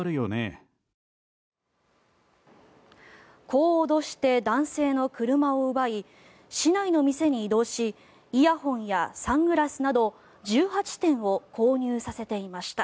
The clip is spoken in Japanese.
こう脅して男性の車を奪い市内の店に移動しイヤホンやサングラスなど１８点を購入させていました。